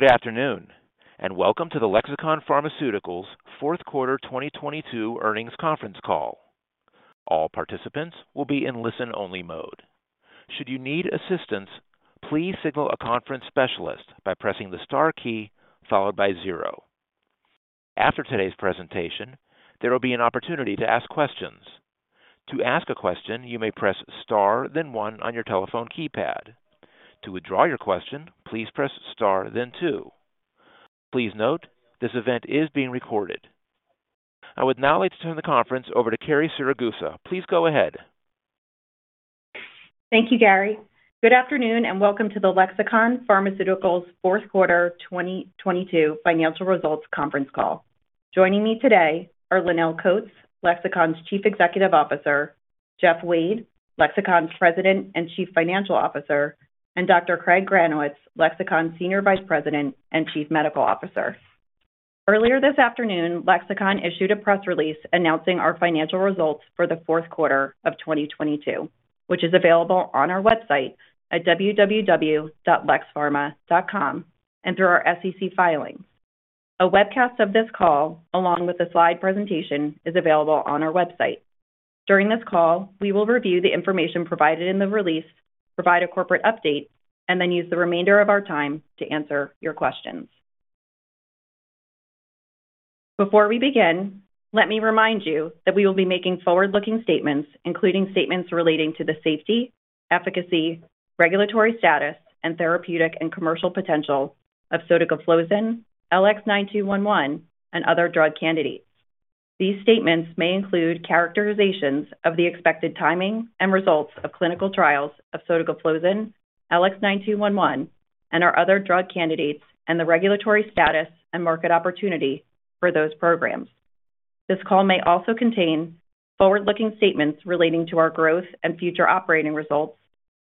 Good afternoon, and welcome to the Lexicon Pharmaceuticals Fourth Quarter 2022 Earnings Conference Call. All participants will be in listen-only mode. Should you need assistance, please signal a conference specialist by pressing the star key followed by 0. After today's presentation, there will be an opportunity to ask questions. To ask a question, you may press star then one on your telephone keypad. To withdraw your question, please press star then two. Please note, this event is being recorded. I would now like to turn the conference over to Carrie Siragusa. Please go ahead. Thank you, Gary. Good afternoon. Welcome to the Lexicon Pharmaceuticals Fourth Quarter 2022 Financial Results Conference Call. Joining me today are Lonnel Coats, Lexicon's Chief Executive Officer, Jeff Wade, Lexicon's President and Chief Financial Officer, and Dr. Craig Granowitz, Lexicon's Senior Vice President and Chief Medical Officer. Earlier this afternoon, Lexicon issued a press release announcing our financial results for the fourth quarter of 2022, which is available on our website at www.lexpharma.com and through our SEC filings. A webcast of this call, along with the slide presentation, is available on our website. During this call, we will review the information provided in the release, provide a corporate update, and then use the remainder of our time to answer your questions. Before we begin, let me remind you that we will be making forward-looking statements, including statements relating to the safety, efficacy, regulatory status, and therapeutic and commercial potential of sotagliflozin, LX9211, and other drug candidates. These statements may include characterizations of the expected timing and results of clinical trials of sotagliflozin, LX9211, and our other drug candidates and the regulatory status and market opportunity for those programs. This call may also contain forward-looking statements relating to our growth and future operating results,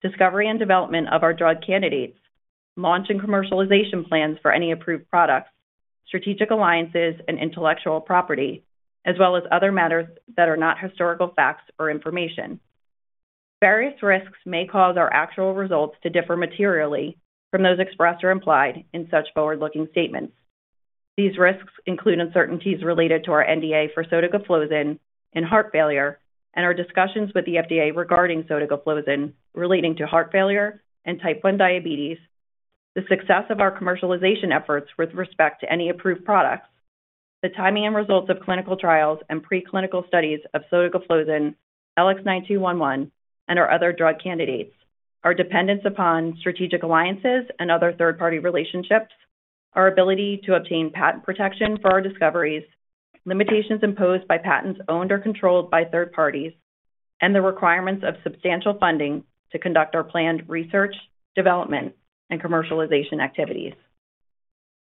discovery and development of our drug candidates, launch and commercialization plans for any approved products, strategic alliances and intellectual property, as well as other matters that are not historical facts or information. Various risks may cause our actual results to differ materially from those expressed or implied in such forward-looking statements. These risks include uncertainties related to our NDA for sotagliflozin and heart failure and our discussions with the FDA regarding sotagliflozin relating to heart failure and type one diabetes, the success of our commercialization efforts with respect to any approved products, the timing and results of clinical trials and preclinical studies of sotagliflozin, LX9211, and our other drug candidates, our dependence upon strategic alliances and other third-party relationships, our ability to obtain patent protection for our discoveries, limitations imposed by patents owned or controlled by third parties, and the requirements of substantial funding to conduct our planned research, development, and commercialization activities.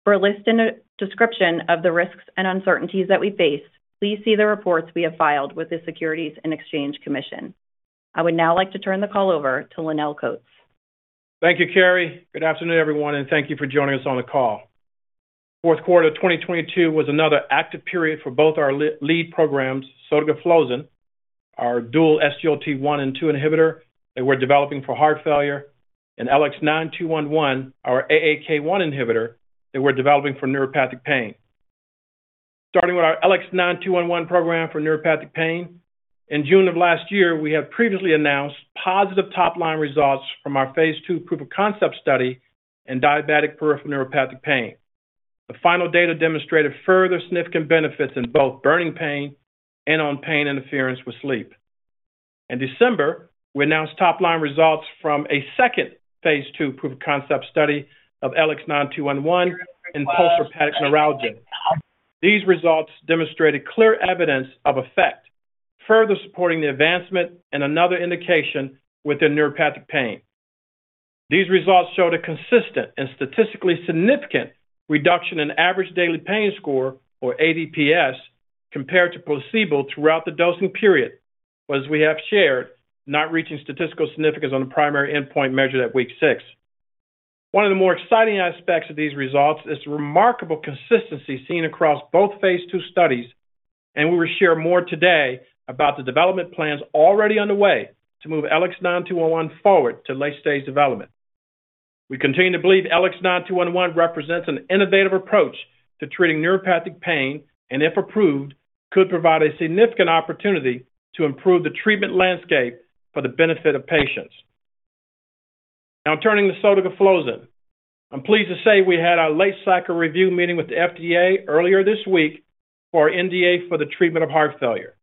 For a list and a description of the risks and uncertainties that we face, please see the reports we have filed with the Securities and Exchange Commission. I would now like to turn the call over to Lonnel Coats. Thank you, Carrie. Good afternoon, everyone, and thank you for joining us on the call. Fourth quarter of 2022 was another active period for both our lead programs, sotagliflozin, our dual SGLT1 and 2 inhibitor that we're developing for heart failure, and LX9211, our AAK1 inhibitor that we're developing for neuropathic pain. Starting with our LX9211 program for neuropathic pain, in June of last year, we have previously announced positive top-line results from our phase II proof of concept study in diabetic peripheral neuropathic pain. The final data demonstrated further significant benefits in both burning pain and on pain interference with sleep. In December, we announced top-line results from a second phase II proof of concept study of LX9211 in postherpetic neuralgia. These results demonstrated clear evidence of effect, further supporting the advancement in another indication within neuropathic pain. These results showed a consistent and statistically significant reduction in average daily pain score, or ADPS, compared to placebo throughout the dosing period, but as we have shared, not reaching statistical significance on the primary endpoint measured at week six. One of the more exciting aspects of these results is the remarkable consistency seen across both phase II studies, and we will share more today about the development plans already underway to move LX9211 forward to late-stage development. We continue to believe LX9211 represents an innovative approach to treating neuropathic pain and, if approved, could provide a significant opportunity to improve the treatment landscape for the benefit of patients. Now turning to sotagliflozin. I'm pleased to say we had our late cycle review meeting with the FDA earlier this week for our NDA for the treatment of heart failure.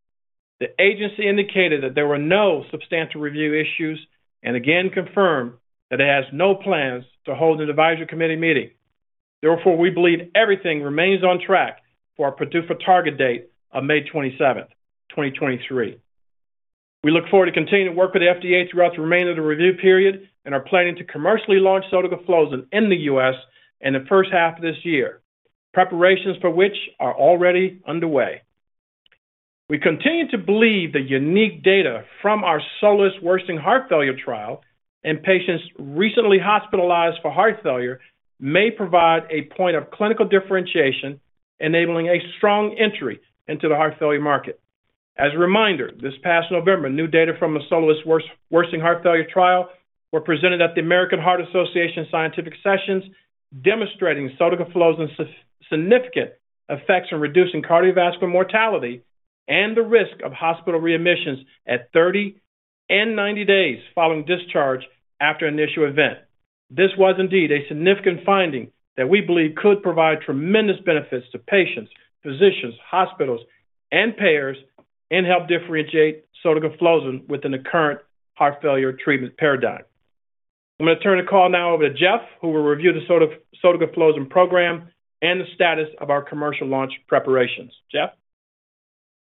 The agency indicated that there were no substantial review issues and again confirmed that it has no plans to hold an advisory committee meeting. We believe everything remains on track for our PDUFA target date of May 27, 2023. We look forward to continuing to work with the FDA throughout the remainder of the review period and are planning to commercially launch sotagliflozin in the U.S. In the first half of this year, preparations for which are already underway. We continue to believe the unique data from our SOLOIST worsening heart failure trial in patients recently hospitalized for heart failure may provide a point of clinical differentiation, enabling a strong entry into the heart failure market. As a reminder, this past November, new data from the SOLOIST Worsening Heart Failure Trial were presented at the American Heart Association Scientific Sessions, demonstrating sotagliflozin's significant effects in reducing cardiovascular mortality and the risk of hospital readmissions at 30 and 90 days following discharge after an initial event. This was indeed a significant finding that we believe could provide tremendous benefits to patients, physicians, hospitals, and payers, and help differentiate sotagliflozin within the current heart failure treatment paradigm. I'm gonna turn the call now over to Jeff, who will review the sotagliflozin program and the status of our commercial launch preparations. Jeff?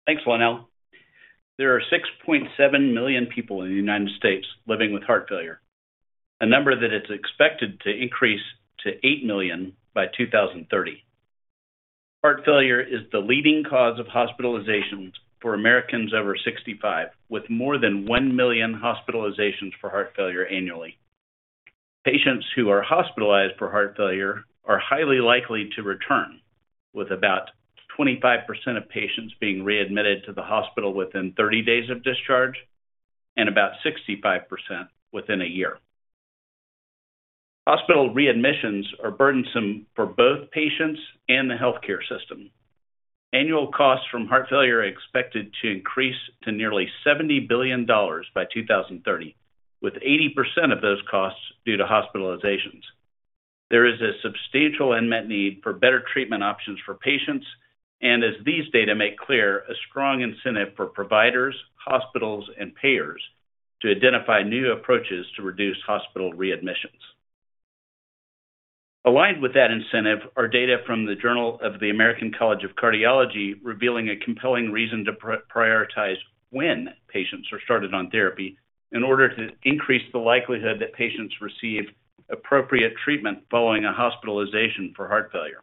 Thanks, Lonnel. There are 6.7 million people in the United States living with heart failure, a number that is expected to increase to 8 million by 2030. Heart failure is the leading cause of hospitalizations for Americans over 65, with more than 1 million hospitalizations for heart failure annually. Patients who are hospitalized for heart failure are highly likely to return, with about 25% of patients being readmitted to the hospital within 30 days of discharge and about 65% within a year. Hospital readmissions are burdensome for both patients and the healthcare system. Annual costs from heart failure are expected to increase to nearly $70 billion by 2030, with 80% of those costs due to hospitalizations. There is a substantial unmet need for better treatment options for patients and, as these data make clear, a strong incentive for providers, hospitals, and payers to identify new approaches to reduce hospital readmissions. Aligned with that incentive are data from the Journal of the American College of Cardiology revealing a compelling reason to prioritize when patients are started on therapy in order to increase the likelihood that patients receive appropriate treatment following a hospitalization for heart failure.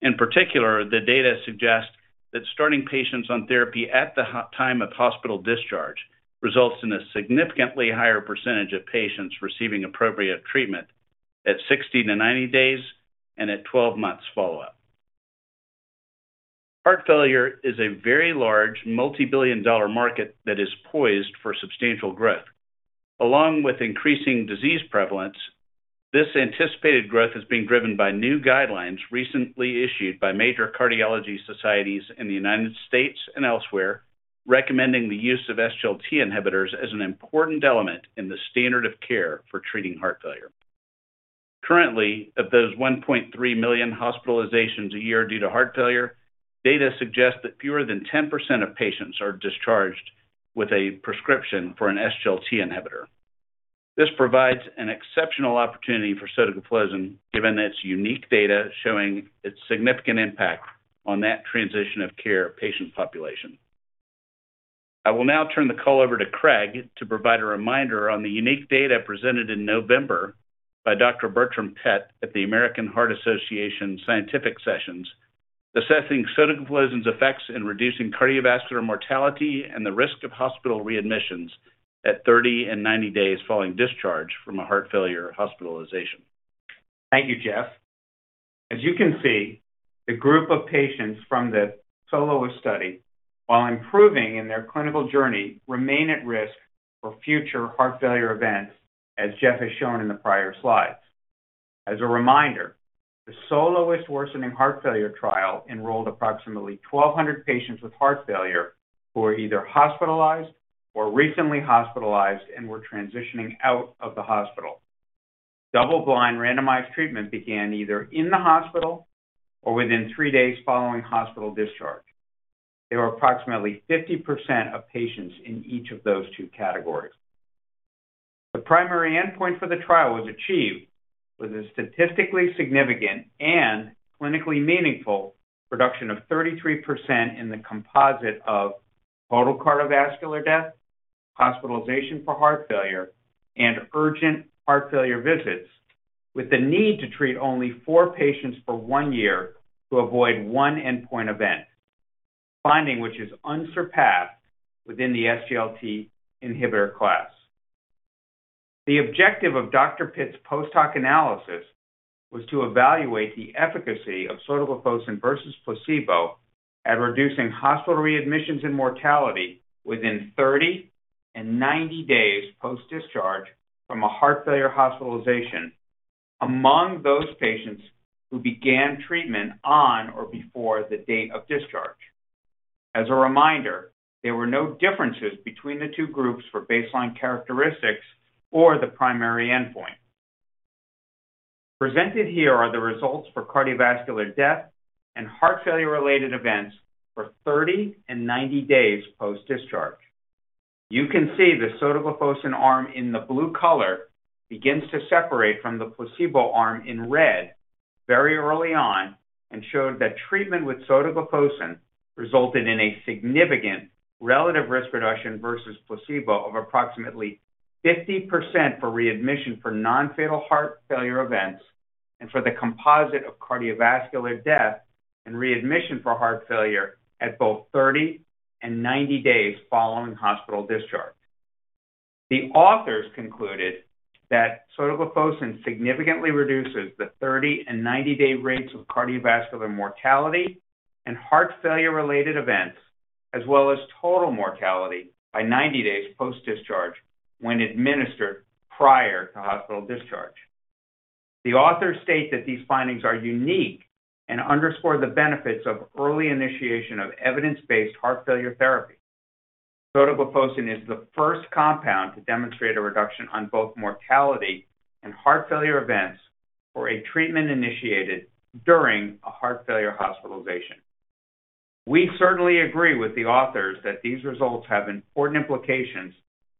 In particular, the data suggest that starting patients on therapy at the time of hospital discharge results in a significantly higher percentage of patients receiving appropriate treatment at 60 to 90 days and at 12 months follow-up. Heart failure is a very large, multibillion-dollar market that is poised for substantial growth. Along with increasing disease prevalence, this anticipated growth is being driven by new guidelines recently issued by major cardiology societies in the United States and elsewhere recommending the use of SGLT inhibitors as an important element in the standard of care for treating heart failure. Currently, of those 1.3 million hospitalizations a year due to heart failure, data suggest that fewer than 10% of patients are discharged with a prescription for an SGLT inhibitor. This provides an exceptional opportunity for sotagliflozin, given its unique data showing its significant impact on that transition-of-care patient population. I will now turn the call over to Craig to provide a reminder on the unique data presented in November by Dr. Bertram Pitt at the American Heart Association Scientific Sessions, assessing sotagliflozin's effects in reducing cardiovascular mortality and the risk of hospital readmissions at 30 and 90 days following discharge from a heart failure hospitalization. Thank you, Jeff. As you can see, the group of patients from the SOLOIST study, while improving in their clinical journey, remain at risk for future heart failure events, as Jeff has shown in the prior slides. As a reminder, the SOLOIST-Worsening Heart Failure Trial enrolled approximately 1,200 patients with heart failure who were either hospitalized or recently hospitalized and were transitioning out of the hospital. Double-blind randomized treatment began either in the hospital or within three days following hospital discharge. There were approximately 50% of patients in each of those two categories. The primary endpoint for the trial was achieved with a statistically significant and clinically meaningful reduction of 33% in the composite of total cardiovascular death, hospitalization for heart failure, and urgent heart failure visits, with the need to treat only four patients for 1 year to avoid 1 endpoint event, finding which is unsurpassed within the SGLT inhibitor class. The objective of Dr. Pitt's posthoc analysis was to evaluate the efficacy of sotagliflozin versus placebo at reducing hospital readmissions and mortality within 30 and 90 days post-discharge from a heart failure hospitalization among those patients who began treatment on or before the date of discharge. As a reminder, there were no differences between the two groups for baseline characteristics or the primary endpoint. Presented here are the results for cardiovascular death and heart failure-related events for 30 and 90 days post-discharge. You can see the sotagliflozin arm in the blue color begins to separate from the placebo arm in red very early on and showed that treatment with sotagliflozin resulted in a significant relative risk reduction versus placebo of approximately 50% for readmission for non-fatal heart failure events and for the composite of cardiovascular death and readmission for heart failure at both 30 and 90 days following hospital discharge. The authors concluded that sotagliflozin significantly reduces the 30 and 90-day rates of cardiovascular mortality and heart failure-related events, as well as total mortality by 90 days post-discharge when administered prior to hospital discharge. The authors state that these findings are unique and underscore the benefits of early initiation of evidence-based heart failure therapy. Sotagliflozin is the first compound to demonstrate a reduction on both mortality and heart failure events for a treatment initiated during a heart failure hospitalization. We certainly agree with the authors that these results have important implications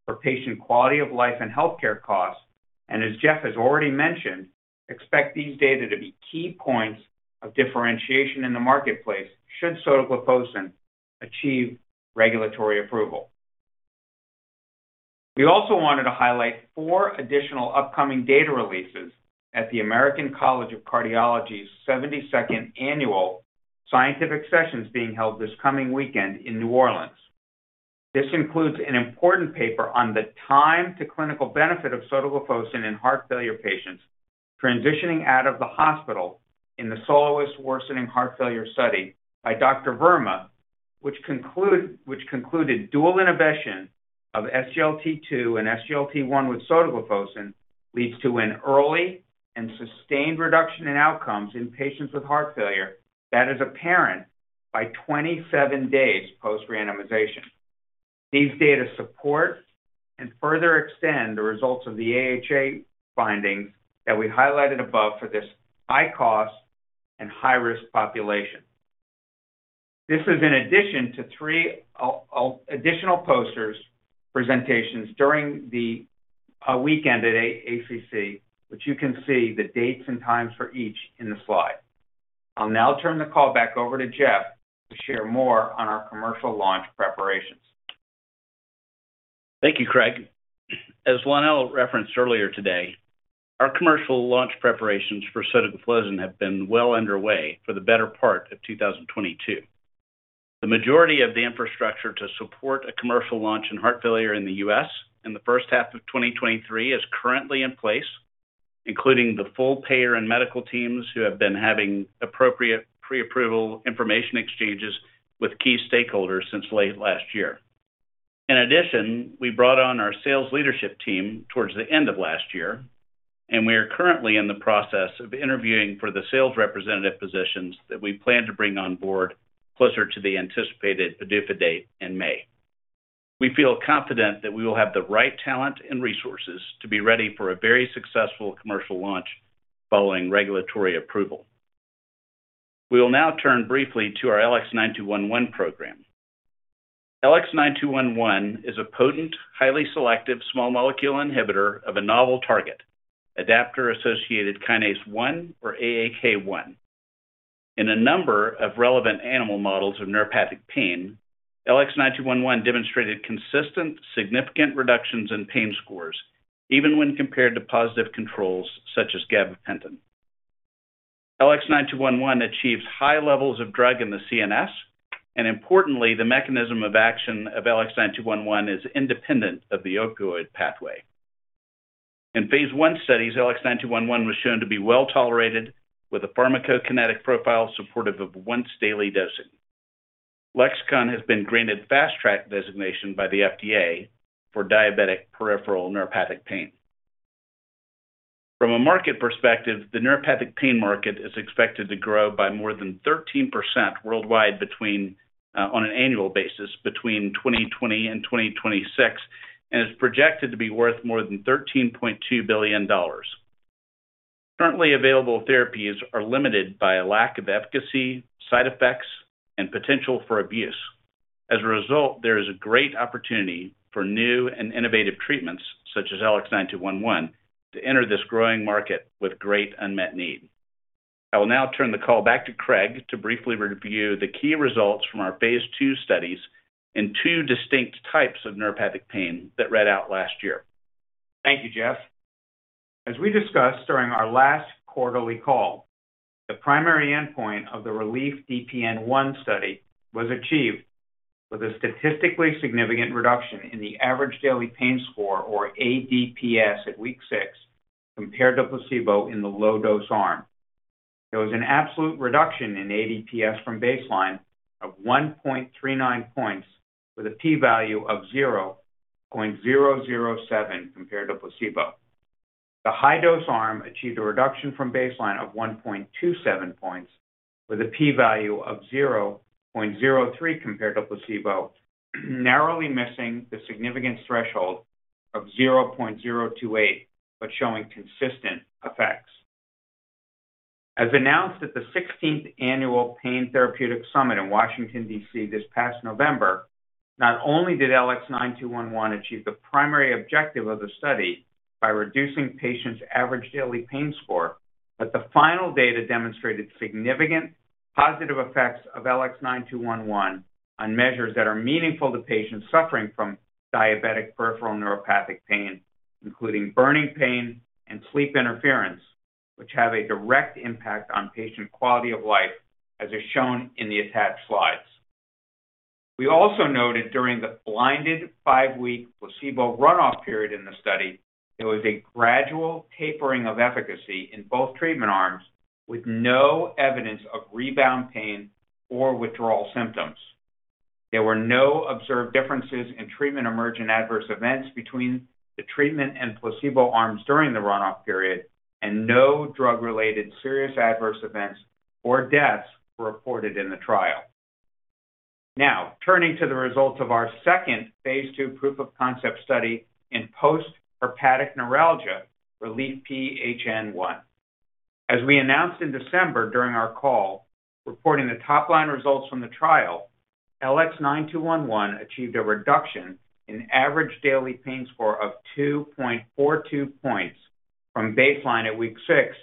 for patient quality of life and healthcare costs, and as Jeff has already mentioned, expect these data to be key points of differentiation in the marketplace should sotagliflozin achieve regulatory approval. We also wanted to highlight four additional upcoming data releases at the American College of Cardiology's 72nd Annual Scientific Sessions being held this coming weekend in New Orleans. This includes an important paper on the time to clinical benefit of sotagliflozin in heart failure patients transitioning out of the hospital in the SOLOIST worsening heart failure study by Dr. Verma, which concluded dual inhibition of SGLT2 and SGLT1 with sotagliflozin leads to an early and sustained reduction in outcomes in patients with heart failure that is apparent by 27 days post-randomization. These data support and further extend the results of the AHA findings that we highlighted above for this high-cost and high-risk population. This is in addition to three additional posters presentations during the weekend at ACC, which you can see the dates and times for each in the slide. I'll now turn the call back over to Jeff to share more on our commercial launch preparations. Thank you, Craig. As Lonnel referenced earlier today, our commercial launch preparations for sotagliflozin have been well underway for the better part of 2022. The majority of the infrastructure to support a commercial launch in heart failure in the U.S. in the first half of 2023 is currently in place, including the full payer and medical teams who have been having appropriate pre-approval information exchanges with key stakeholders since late last year. In addition, we brought on our sales leadership team towards the end of last year, and we are currently in the process of interviewing for the sales representative positions that we plan to bring on board closer to the anticipated PDUFA date in May. We feel confident that we will have the right talent and resources to be ready for a very successful commercial launch following regulatory approval. We will now turn briefly to our LX9211 program. LX9211 is a potent, highly selective small molecule inhibitor of a novel target, adaptor-associated kinase 1, or AAK1. In a number of relevant animal models of neuropathic pain, LX9211 demonstrated consistent, significant reductions in pain scores even when compared to positive controls such as gabapentin. LX9211 achieves high levels of drug in the CNS, and importantly, the mechanism of action of LX9211 is independent of the opioid pathway. In phase I studies, LX9211 was shown to be well-tolerated with a pharmacokinetic profile supportive of once-daily dosing. Lexicon has been granted Fast Track designation by the FDA for diabetic peripheral neuropathic pain. From a market perspective, the neuropathic pain market is expected to grow by more than 13% worldwide between, on an annual basis, between 2020 and 2026 and is projected to be worth more than $13.2 billion. Currently available therapies are limited by a lack of efficacy, side effects, and potential for abuse. As a result, there is a great opportunity for new and innovative treatments, such as LX9211, to enter this growing market with great unmet need. I will now turn the call back to Craig to briefly review the key results from our phase II studies in two distinct types of neuropathic pain that read out last year. Thank you, Jeff. As we discussed during our last quarterly call, the primary endpoint of the RELIEF-DPN-1 study was achieved with a statistically significant reduction in the average daily pain score, or ADPS, at week 6 compared to placebo in the low dose arm. There was an absolute reduction in ADPS from baseline of 1.39 points with a P value of 0.007 compared to placebo. The high dose arm achieved a reduction from baseline of 1.27 points with a P value of 0.03 compared to placebo, narrowly missing the significance threshold of 0.028 but showing consistent effects. As announced at the 16th Annual Pain Therapeutics Summit in Washington, D.C., this past November, not only did LX9211 achieve the primary objective of the study by reducing patients' average daily pain score, but the final data demonstrated significant positive effects of LX9211 on measures that are meaningful to patients suffering from diabetic peripheral neuropathic pain, including burning pain and sleep interference, which have a direct impact on patient quality of life, as is shown in the attached slides. We also noted during the blinded 5-week placebo run-off period in the study, there was a gradual tapering of efficacy in both treatment arms with no evidence of rebound pain or withdrawal symptoms. There were no observed differences in treatment-emergent adverse events between the treatment and placebo arms during the run-off period, and no drug-related serious adverse events or deaths were reported in the trial. Now, turning to the results of our second phase II proof-of-concept study in post-herpetic neuralgia, RELIEF-PHN-1. As we announced in December during our call reporting the top line results from the trial, LX9211 achieved a reduction in average daily pain score of 2.42 points from baseline at week 6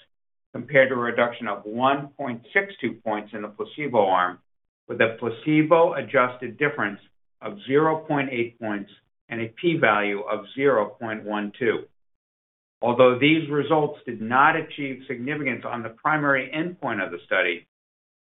compared to a reduction of 1.62 points in the placebo arm, with a placebo-adjusted difference of 0.8 points and a P value of 0.12. Although these results did not achieve significance on the primary endpoint of the study,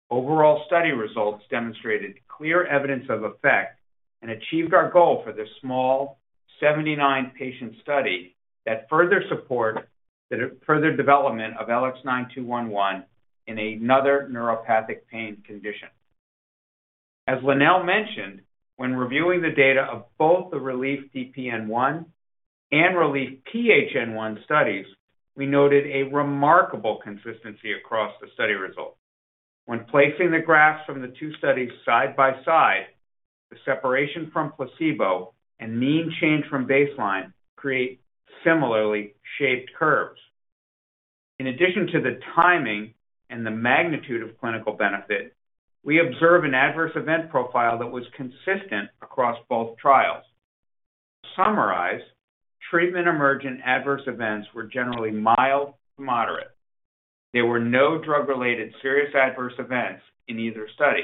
overall study results demonstrated clear evidence of effect and achieved our goal for this small 79 patient study that further support the further development of LX9211 in another neuropathic pain condition. As Lonnel mentioned, when reviewing the data of both the RELIEF-DPN-1 and RELIEF-PHN-1 studies, we noted a remarkable consistency across the study results. When placing the graphs from the two studies side by side, the separation from placebo and mean change from baseline create similarly shaped curves. In addition to the timing and the magnitude of clinical benefit, we observe an adverse event profile that was consistent across both trials. To summarize, treatment-emergent adverse events were generally mild to moderate. There were no drug-related serious adverse events in either study.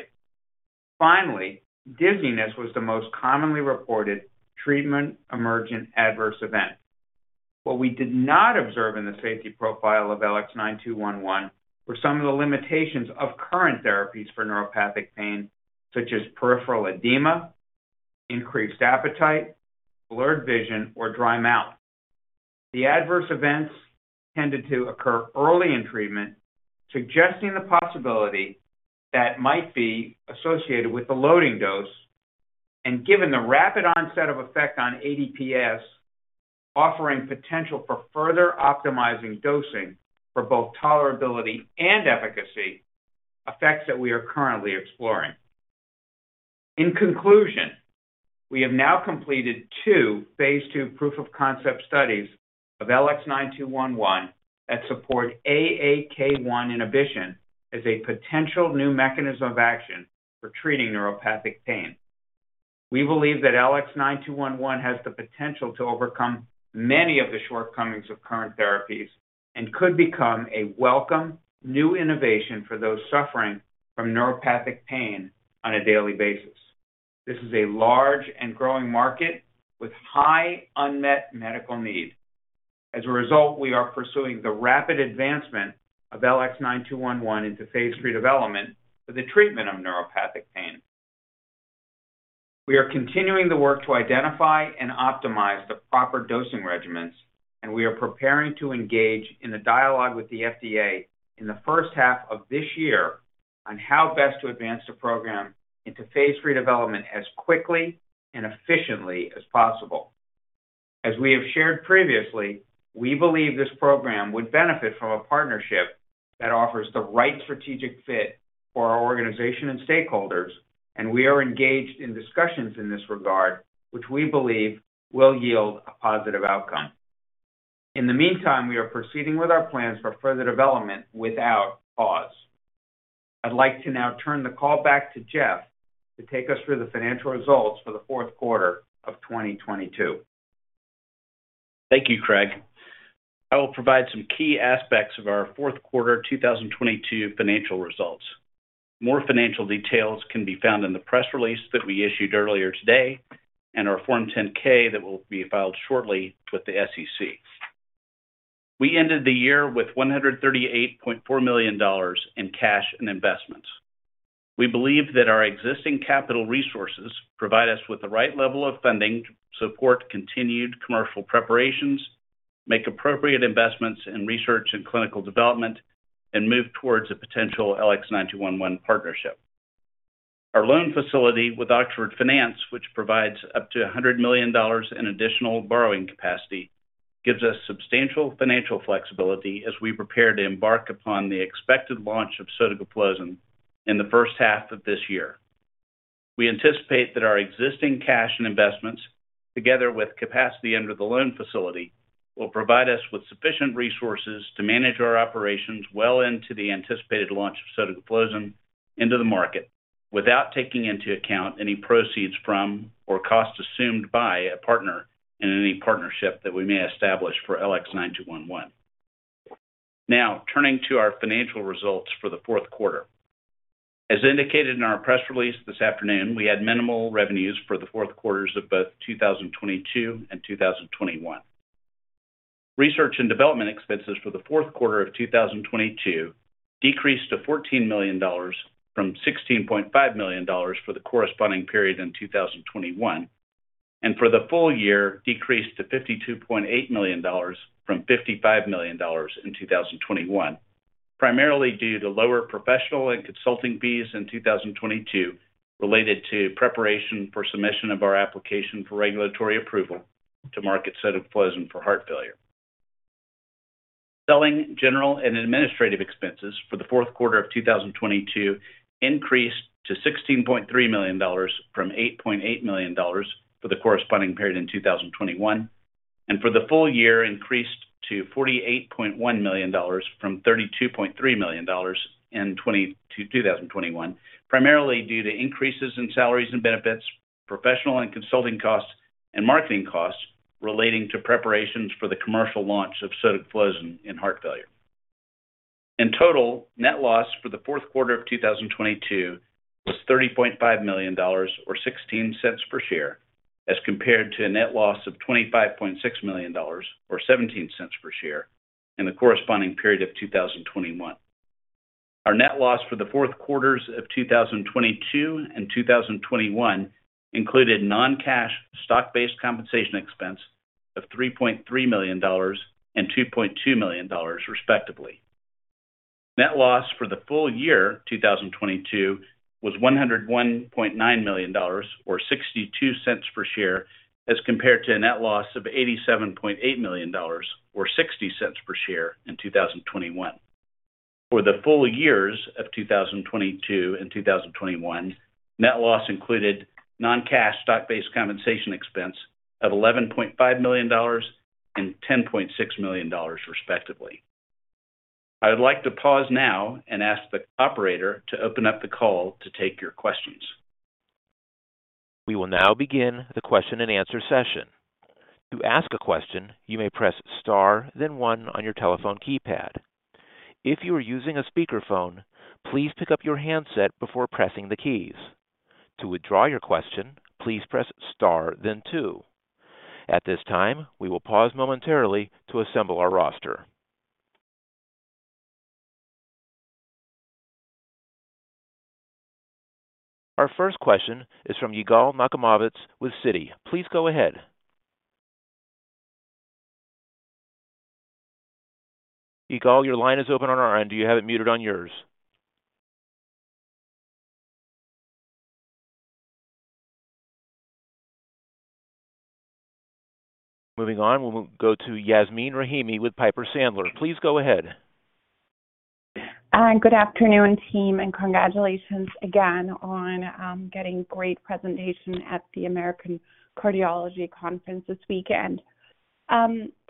Finally, dizziness was the most commonly reported treatment-emergent adverse event. What we did not observe in the safety profile of LX9211 were some of the limitations of current therapies for neuropathic pain, such as peripheral edema, increased appetite, blurred vision, or dry mouth. The adverse events tended to occur early in treatment, suggesting the possibility that might be associated with the loading dose and given the rapid onset of effect on ADPS, offering potential for further optimizing dosing for both tolerability and efficacy effects that we are currently exploring. In conclusion, we have now completed two phase II proof-of-concept studies of LX9211 that support AAK1 inhibition as a potential new mechanism of action for treating neuropathic pain. We believe that LX9211 has the potential to overcome many of the shortcomings of current therapies and could become a welcome new innovation for those suffering from neuropathic pain on a daily basis. This is a large and growing market with high unmet medical need. As a result, we are pursuing the rapid advancement of LX9211 into phase III development for the treatment of neuropathic pain. We are continuing the work to identify and optimize the proper dosing regimens. We are preparing to engage in a dialogue with the FDA in the first half of this year on how best to advance the program into phase III development as quickly and efficiently as possible. As we have shared previously, we believe this program would benefit from a partnership that offers the right strategic fit for our organization and stakeholders. We are engaged in discussions in this regard which we believe will yield a positive outcome. In the meantime, we are proceeding with our plans for further development without pause. I'd like to now turn the call back to Jeff to take us through the financial results for the fourth quarter of 2022. Thank you, Craig. I will provide some key aspects of our fourth quarter 2022 financial results. More financial details can be found in the press release that we issued earlier today and our Form 10-K that will be filed shortly with the SEC. We ended the year with $138.4 million in cash and investments. We believe that our existing capital resources provide us with the right level of funding to support continued commercial preparations, make appropriate investments in research and clinical development, and move towards a potential LX9211 partnership. Our loan facility with Oxford Finance, which provides up to $100 million in additional borrowing capacity, gives us substantial financial flexibility as we prepare to embark upon the expected launch of sotagliflozin in the first half of this year. We anticipate that our existing cash and investments, together with capacity under the loan facility, will provide us with sufficient resources to manage our operations well into the anticipated launch of sotagliflozin into the market without taking into account any proceeds from or cost assumed by a partner in any partnership that we may establish for LX9211. Turning to our financial results for the fourth quarter. As indicated in our press release this afternoon, we had minimal revenues for the fourth quarters of both 2022 and 2021. Research and development expenses for the fourth quarter of 2022 decreased to $14 million from $16.5 million for the corresponding period in 2021, and for the full year decreased to $52.8 million from $55 million in 2021, primarily due to lower professional and consulting fees in 2022 related to preparation for submission of our application for regulatory approval to market sotagliflozin for heart failure. Selling general and administrative expenses for the fourth quarter of 2022 increased to $16.3 million from $8.8 million for the corresponding period in 2021, and for the full year increased to $48.1 million from $32.3 million in 2021, primarily due to increases in salaries and benefits, professional and consulting costs and marketing costs relating to preparations for the commercial launch of sotagliflozin in heart failure. In total, net loss for the fourth quarter of 2022 was $30.5 million, or $0.16 per share, as compared to a net loss of $25.6 million, or $0.17 per share in the corresponding period of 2021. Our net loss for the fourth quarters of 2022 and 2021 included non-cash stock-based compensation expense of $3.3 million and $2.2 million, respectively. Net loss for the full year 2022 was $101.9 million, or $0.62 per share, as compared to a net loss of $87.8 million, or $0.60 per share in 2021. For the full years of 2022 and 2021, net loss included non-cash stock-based compensation expense of $11.5 million and $10.6 million, respectively. I would like to pause now and ask the operator to open up the call to take your questions. We will now begin the question and answer session. To ask a question, you may press star then one on your telephone keypad. If you are using a speakerphone, please pick up your handset before pressing the keys. To withdraw your question, please press star then two. At this time, we will pause momentarily to assemble our roster. Our first question is from Yigal Nochomovitz with Citi. Please go ahead. Yigal, your line is open on our end. You have it muted on yours. Moving on, we'll go to Yasmeen Rahimi with Piper Sandler. Please go ahead. Good afternoon, team, and congratulations again on getting great presentation at the American Cardiology Conference this weekend.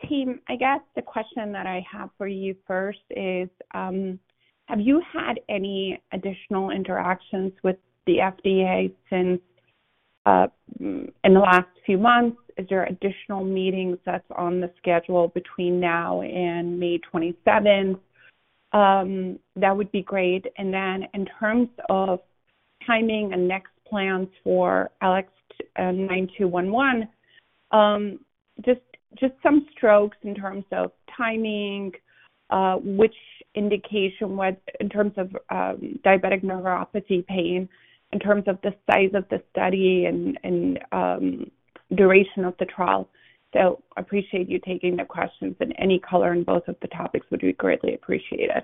Team, I guess the question that I have for you first is, have you had any additional interactions with the FDA since in the last few months, is there additional meetings that's on the schedule between now and May 27th? That would be great. Then in terms of timing and next plans for LX9211, just some strokes in terms of timing, which indication, in terms of diabetic neuropathy pain, in terms of the size of the study and duration of the trial. Appreciate you taking the questions and any color on both of the topics would be greatly appreciated.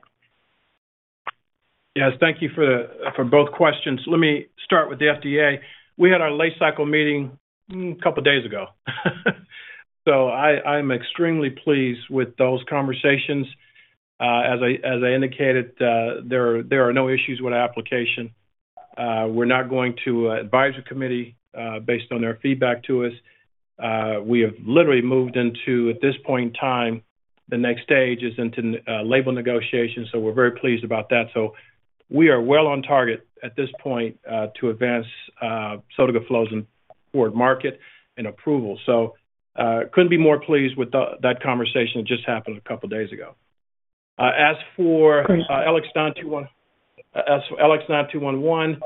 Yes, thank you for both questions. Let me start with the FDA. We had our late-cycle meeting a couple days ago. I'm extremely pleased with those conversations. As I indicated, there are no issues with application. We're now going to advisory committee based on their feedback to us. We have literally moved into, at this point in time, the next stage is into label negotiations, so we're very pleased about that. We are well on target at this point to advance sotagliflozin for market and approval. Couldn't be more pleased with that conversation. It just happened a couple days ago. As for- Great. As for LX9211,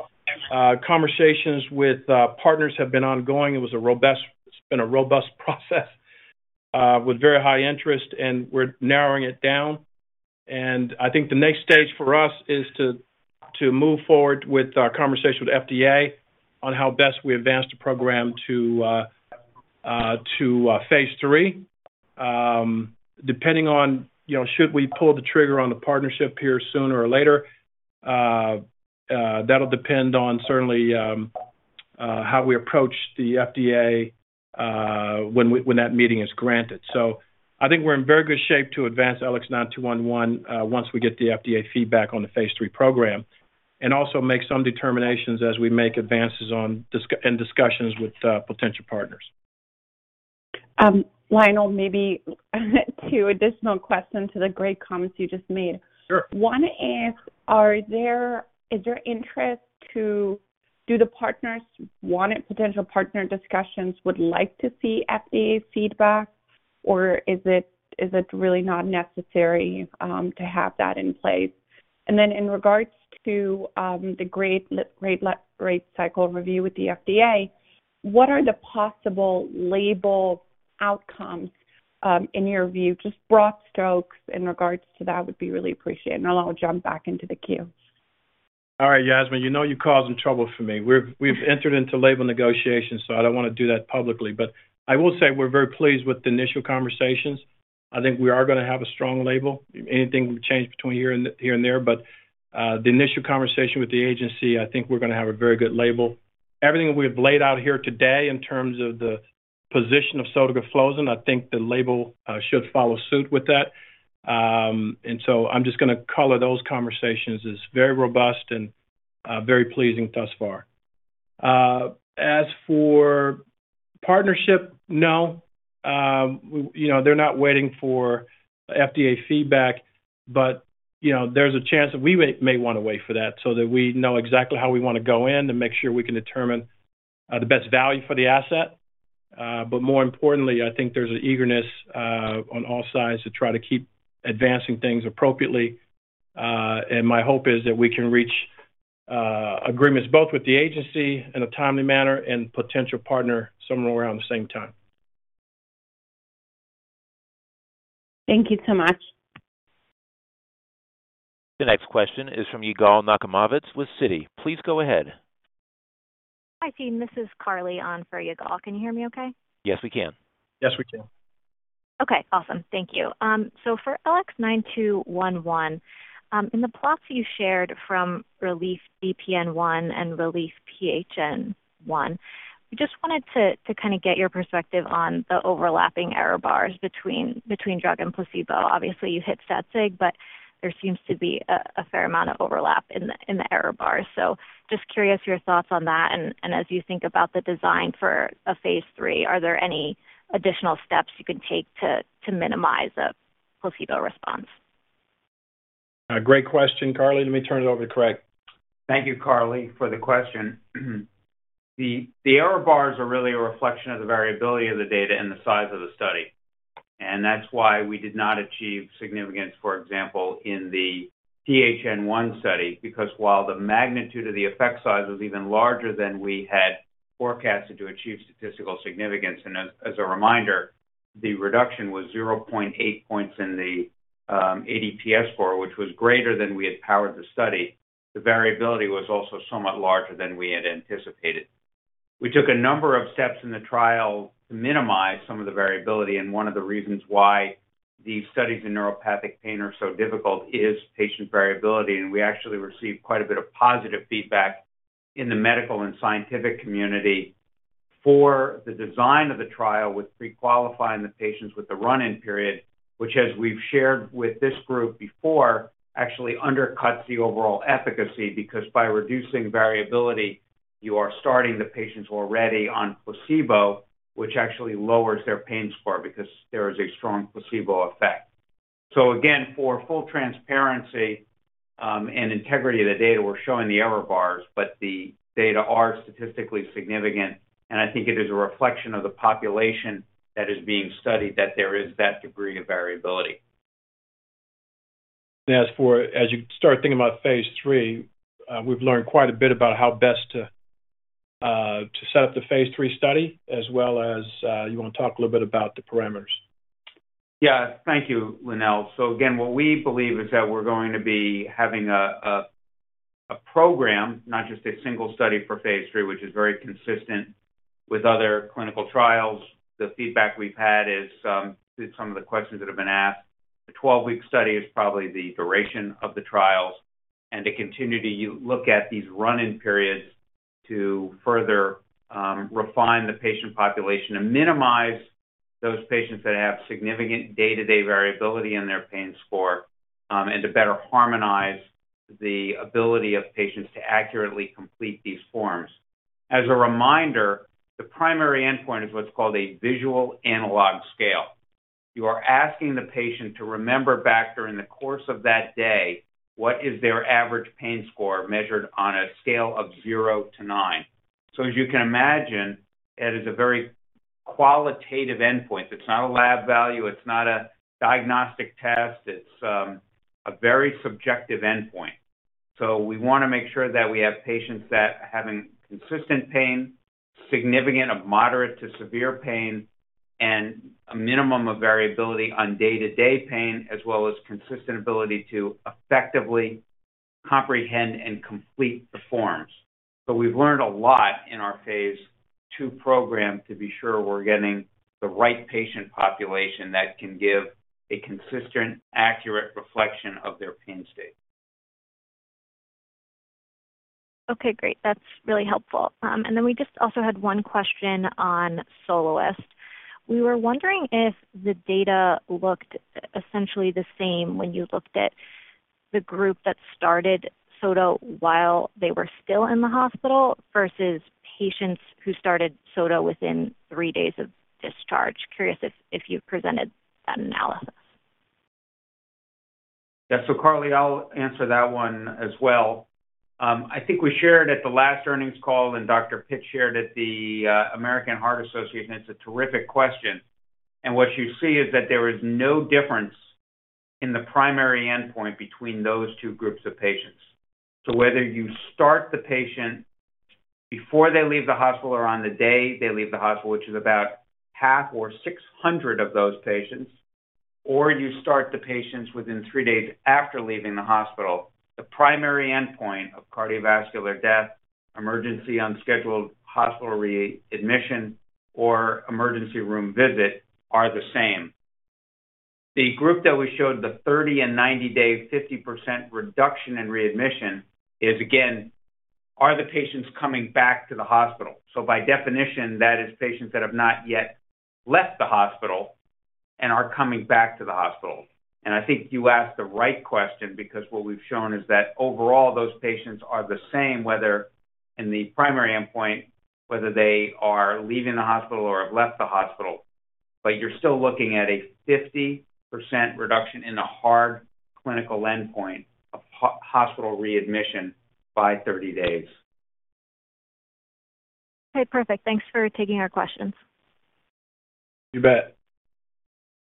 conversations with partners have been ongoing. It's been a robust process with very high interest, and we're narrowing it down. I think the next stage for us is to move forward with our conversation with FDA on how best we advance the program to phase III. Depending on, you know, should we pull the trigger on the partnership here sooner or later, that'll depend on certainly how we approach the FDA when that meeting is granted. I think we're in very good shape to advance LX9211, once we get the FDA feedback on the phase III program, and also make some determinations as we make advances in discussions with potential partners. Lonnel, maybe two additional questions to the great comments you just made. Sure. One is there interest to do the partners wanted potential partner discussions would like to see FDA feedback, or is it, is it really not necessary to have that in place? In regards to the late cycle review with the FDA, what are the possible label outcomes in your view? Just broad strokes in regards to that would be really appreciated. I'll jump back into the queue. All right, Yasmeen, you know you're causing trouble for me. We've entered into label negotiations, so I don't wanna do that publicly. I will say we're very pleased with the initial conversations. I think we are gonna have a strong label. Anything will change between here and there. The initial conversation with the agency, I think we're gonna have a very good label. Everything we've laid out here today in terms of the position of sotagliflozin, I think the label should follow suit with that. I'm just gonna color those conversations as very robust and very pleasing thus far. As for partnership, no. You know, they're not waiting for FDA feedback, you know, there's a chance that we may wanna wait for that so that we know exactly how we wanna go in to make sure we can determine the best value for the asset. More importantly, I think there's an eagerness on all sides to try to keep advancing things appropriately. My hope is that we can reach agreements both with the agency in a timely manner and potential partner somewhere around the same time. Thank you so much. The next question is from Yigal Nochomovitz with Citi. Please go ahead. Hi, team. This is Carly on for Yigal. Can you hear me okay? Yes, we can. Yes, we can. Awesome. Thank you. For LX9211, in the plots you shared from RELIEF-DPN-1 and RELIEF-PHN-1, we just wanted to kinda get your perspective on the overlapping error bars between drug and placebo. Obviously, you hit stat sig, there seems to be a fair amount of overlap in the error bars. Just curious your thoughts on that, and as you think about the design for a phase III, are there any additional steps you can take to minimize a placebo response? A great question, Carly. Let me turn it over to Craig. Thank you, Carly, for the question. The error bars are really a reflection of the variability of the data and the size of the study. That's why we did not achieve significance, for example, in the PHN-1 study. While the magnitude of the effect size was even larger than we had forecasted to achieve statistical significance, and as a reminder, the reduction was 0.8 points in the ADPS score, which was greater than we had powered the study. The variability was also somewhat larger than we had anticipated. We took a number of steps in the trial to minimize some of the variability. One of the reasons why these studies in neuropathic pain are so difficult is patient variability. We actually received quite a bit of positive feedback in the medical and scientific community for the design of the trial with pre-qualifying the patients with the run-in period, which, as we've shared with this group before, actually undercuts the overall efficacy. By reducing variability, you are starting the patients who are already on placebo, which actually lowers their pain score because there is a strong placebo effect. Again, for full transparency, and integrity of the data, we're showing the error bars, but the data are statistically significant, and I think it is a reflection of the population that is being studied that there is that degree of variability. As you start thinking about phase III, we've learned quite a bit about how best to set up the phase III study as well as... You wanna talk a little bit about the parameters? Thank you, Lonnel. Again, what we believe is that we're going to be having a program, not just a single study for phase III, which is very consistent with other clinical trials. The feedback we've had is through some of the questions that have been asked. The 12-week study is probably the duration of the trials, and to continue to look at these run-in periods to further refine the patient population and minimize those patients that have significant day-to-day variability in their pain score, and to better harmonize the ability of patients to accurately complete these forms. As a reminder, the primary endpoint is what's called a visual analog scale. You are asking the patient to remember back during the course of that day, what is their average pain score measured on a scale of 0 to nine. As you can imagine, it is a very qualitative endpoint. It's not a lab value. It's not a diagnostic test. It's a very subjective endpoint. We wanna make sure that we have patients that are having consistent pain, significant of moderate to severe pain, and a minimum of variability on day-to-day pain, as well as consistent ability to effectively comprehend and complete the forms. We've learned a lot in our phase II program to be sure we're getting the right patient population that can give a consistent, accurate reflection of their pain state. Okay, great. That's really helpful. We just also had one question on SOLOIST. We were wondering if the data looked essentially the same when you looked at the group that started Sota while they were still in the hospital versus patients who started Sota within three days of discharge. Curious if you've presented that analysis. Yeah. Carly, I'll answer that one as well. I think we shared at the last earnings call and Dr. Pitt shared at the American Heart Association. It's a terrific question. What you see is that there is no difference in the primary endpoint between those two groups of patients. Whether you start the patient before they leave the hospital or on the day they leave the hospital, which is about half or 600 of those patients, or you start the patients within 3 days after leaving the hospital, the primary endpoint of cardiovascular death, emergency unscheduled hospital readmission, or emergency room visit are the same. The group that we showed the 30 and 90-day 50% reduction in readmission is, again, are the patients coming back to the hospital. By definition, that is patients that have not yet left the hospital and are coming back to the hospital. I think you asked the right question because what we've shown is that overall, those patients are the same, whether in the primary endpoint, whether they are leaving the hospital or have left the hospital. You're still looking at a 50% reduction in the hard clinical endpoint of hospital readmission by 30 days. Okay, perfect. Thanks for taking our questions. You bet.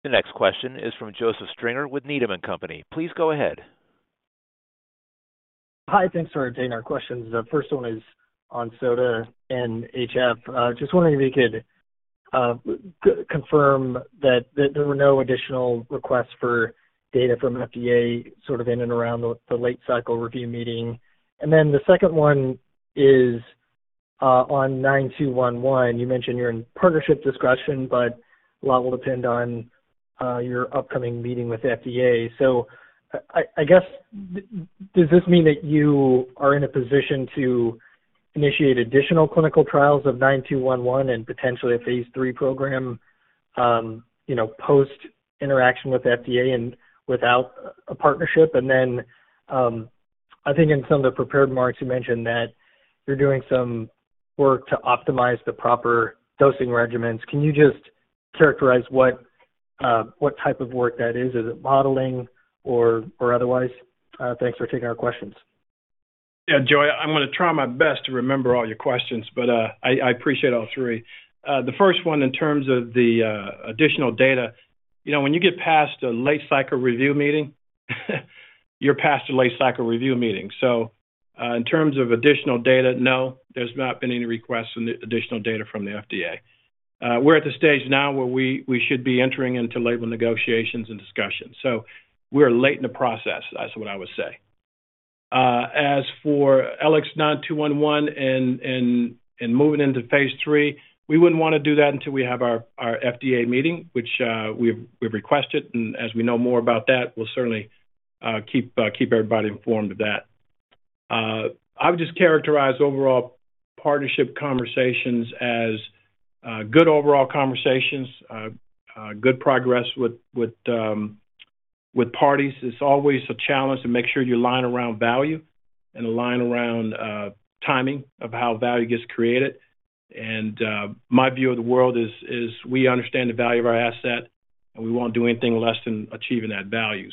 The next question is from Joseph Stringer with Needham & Company. Please go ahead. Hi. Thanks for taking our questions. The first one is on Sota and HF. Just wondering if you could confirm that there were no additional requests for data from FDA, sort of in and around the late cycle review meeting. The second one is on LX9211. You mentioned you're in partnership discussion, but a lot will depend on your upcoming meeting with FDA. I guess, does this mean that you are in a position to initiate additional clinical trials of LX9211 and potentially a phase III program, you know, post-interaction with FDA and without a partnership? I think in some of the prepared remarks, you mentioned that you're doing some work to optimize the proper dosing regimens. Can you just characterize what type of work that is? Is it modeling or otherwise? Thanks for taking our questions. Yeah. Joe, I'm gonna try my best to remember all your questions, but I appreciate all three. The first one in terms of the additional data. You know, when you get past a late-cycle review meeting you're past a late-cycle review meeting. In terms of additional data, no, there's not been any requests for any additional data from the FDA. We're at the stage now where we should be entering into label negotiations and discussions. We're late in the process. That's what I would say. As for LX9211 and moving into phase III, we wouldn't wanna do that until we have our FDA meeting, which we've requested. As we know more about that, we'll certainly keep everybody informed of that. I would just characterize overall partnership conversations as good overall conversations, good progress with parties. It's always a challenge to make sure you're aligned around value and aligned around timing of how value gets created. My view of the world is we understand the value of our asset, and we won't do anything less than achieving that value.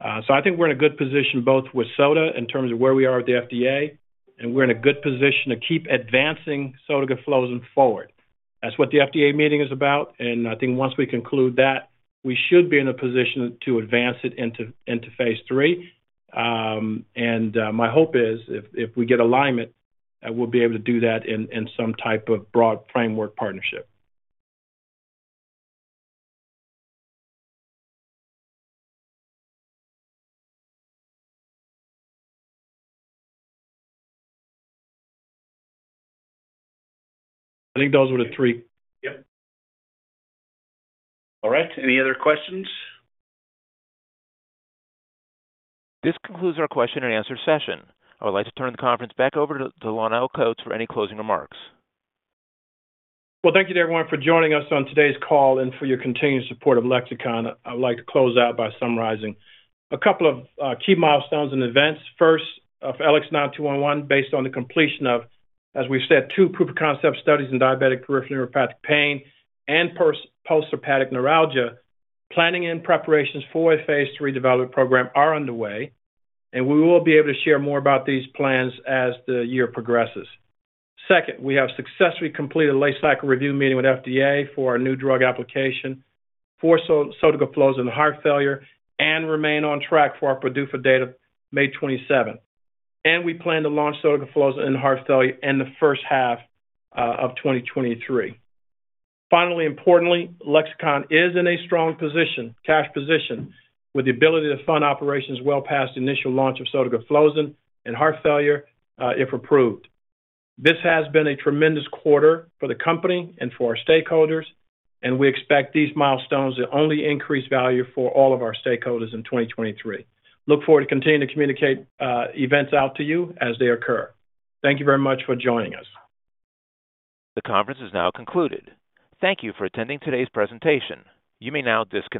I think we're in a good position both with Sota in terms of where we are with the FDA, and we're in a good position to keep advancing sotagliflozin forward. That's what the FDA meeting is about, and I think once we conclude that, we should be in a position to advance it into phase III. My hope is if we get alignment, we'll be able to do that in some type of broad framework partnership. I think those were the three. Yep. All right. Any other questions? This concludes our question and answer session. I would like to turn the conference back over to Lonnel Coats for any closing remarks. Well, thank you to everyone for joining us on today's call and for your continued support of Lexicon. I would like to close out by summarizing a couple of key milestones and events. First, of LX9211, based on the completion of, as we've said, two proof of concept studies in diabetic peripheral neuropathic pain and post-herpetic neuralgia. Planning and preparations for a phase III development program are underway, and we will be able to share more about these plans as the year progresses. Second, we have successfully completed a late cycle review meeting with FDA for our New Drug Application for sotagliflozin heart failure and remain on track for our PDUFA date of May 27th. We plan to launch sotagliflozin in heart failure in the first half of 2023. Finally, importantly, Lexicon is in a strong position, cash position with the ability to fund operations well past the initial launch of sotagliflozin in heart failure, if approved. This has been a tremendous quarter for the company and for our stakeholders, and we expect these milestones to only increase value for all of our stakeholders in 2023. Look forward to continuing to communicate events out to you as they occur. Thank you very much for joining us. The conference is now concluded. Thank you for attending today's presentation. You may now disconnect.